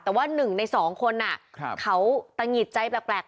แต่ว่าหนึ่งในสองคนน่ะเขาตะหงิดใจแปลก